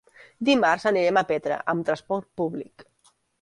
Dimarts anirem a Petra amb transport públic.